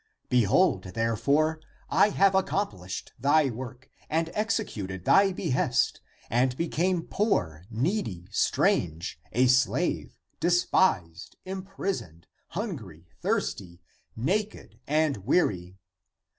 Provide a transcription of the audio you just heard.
Behold, there fore, I have accomplished thy work and executed thy behest and became poor, needy, strange, a slave, despised, imprisoned, hungry, thirsty, naked, and weary.